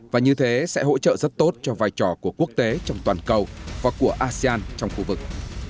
và như thế sẽ hỗ trợ rất tốt cho vai trò của quốc tế trong toàn cầu và của asean trong khu vực